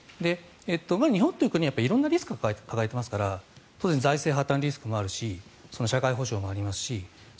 日本という国は色々なリスクを抱えていますから当然、財政破たんリスクもありますし社会保障もありますし